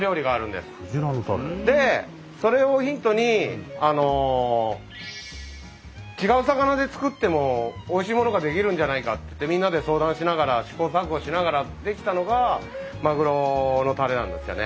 でそれをヒントに違う魚で作ってもおいしいものが出来るんじゃないかってみんなで相談しながら試行錯誤しながら出来たのがまぐろのたれなんですよね。